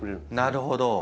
なるほど。